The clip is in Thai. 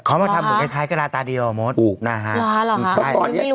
เค้าเค้าทำเหมือนแชทกระดองกระดองอีกแล้ว